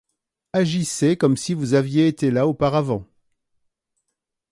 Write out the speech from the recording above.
Agissez comme si vous aviez été là auparavant.